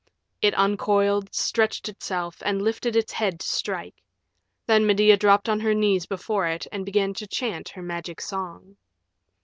It uncoiled, stretched itself, and lifted its head to strike. Then Medea dropped on her knees before it, and began to chant her Magic Song.